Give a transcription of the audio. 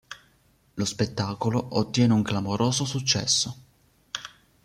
Lo spettacolo ottiene un clamoroso successo.